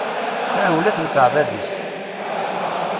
Tarewla tenfeɛ bab-is!